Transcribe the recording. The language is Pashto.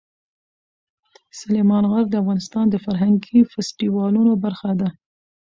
سلیمان غر د افغانستان د فرهنګي فستیوالونو برخه ده.